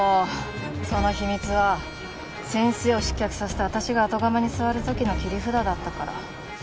その秘密は先生を失脚させて私が後釜に座る時の切り札だったから。